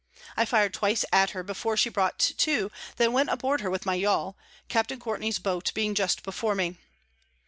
I fir'd twice at her before she brought to, then went aboard her with my Yall, Captain Courtney's Boat being just before me.